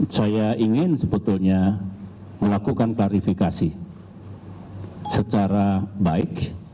saya ingin sebetulnya melakukan klarifikasi secara baik